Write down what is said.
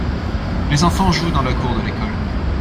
Les enfants jouent dans la cour de l’école.